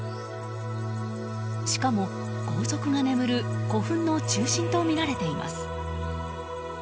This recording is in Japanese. しかも、豪族が眠る古墳の中心とみられています。